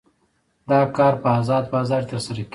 دا کار په ازاد بازار کې ترسره کیږي.